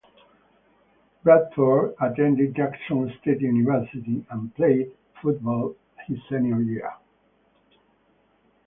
Bradford attended Jackson State University, and played football his senior year.